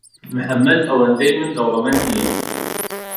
محەممەد ئەوەندی من دەوڵەمەند نییە.